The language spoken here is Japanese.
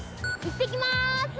いってきます。